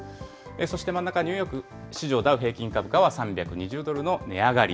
そして真ん中、ニューヨーク市場ダウ平均株価は３２０ドルの値上がり。